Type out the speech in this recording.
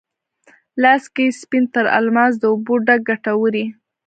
لاس کې یې سپین تر الماس، د اوبو ډک کټوری،